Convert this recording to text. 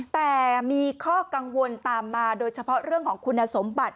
แต่มีข้อกังวลตามมาโดยเฉพาะเรื่องของคุณสมบัติ